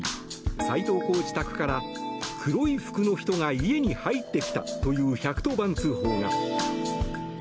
斎藤コーチ宅から黒い服の人が家に入ってきたという１１０番通報が。